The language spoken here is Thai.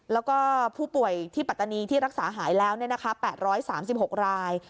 แล้วก็ผู้ป่วยที่ปัตตานีที่รักษาหายแล้ว๘๓๖ราย